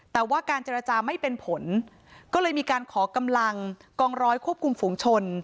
แต่ว่าการเจรจาไม่เป็นผลก็เลยมีการขอกำลังกองร้อยควบคุมฝุงชน